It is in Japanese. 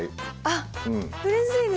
あっうれしいです！